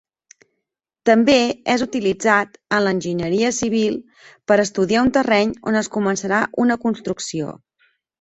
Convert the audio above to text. També és utilitzat en l'enginyeria civil per estudiar un terreny on es començarà una construcció.